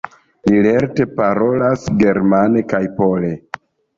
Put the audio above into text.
Li lerte parolas germane kaj pole.